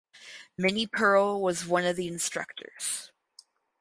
Minnie Pearl was one of the instructors.